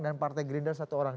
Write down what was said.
dan partai grinder satu orang